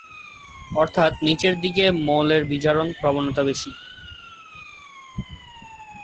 অর্থাৎ নিচের দিকের মৌলের বিজারণ প্রবণতা বেশী।